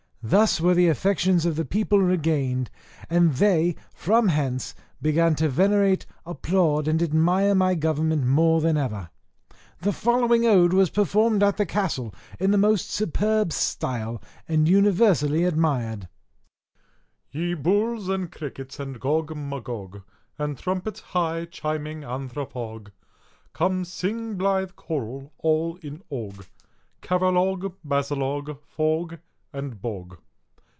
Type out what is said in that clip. Thus were the affections of the people regained; and they, from hence, began to venerate, applaud, and admire my government more than ever. The following ode was performed at the castle, in the most superb style, and universally admired: ODE. Ye bulls and crickets, and Gog, Magog, And trump'ts high chiming anthrophog, Come sing blithe choral all in og, Caralog, basilog, fog, and bog!